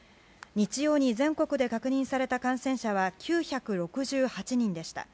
日曜に全国で確認された感染者は９６８人でした。